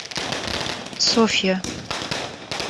Софья